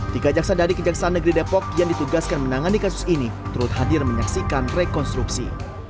tiga jaksa dari kejaksaan negeri depok yang ditugaskan menangani kasus ini turut hadir menyaksikan rekonstruksi